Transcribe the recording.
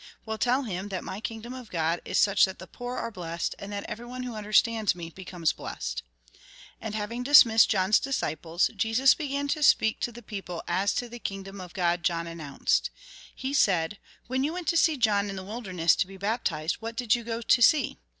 Well, tell him that my kingdom of God is such that the poor are IJessed, and that every one who understands me becomes blessed." And, having dismissed John's disciples, Jesus began to speak to the people as to the kingdom of God John announced. He said :" When you went to John in the wilderness to be baptized, what did you go to see